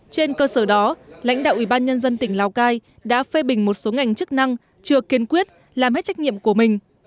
trên cơ sở đó lãnh đạo ubnd tỉnh lào cai đã phê bình một số ngành chức năng chưa kiên quyết làm hết trách nhiệm của mình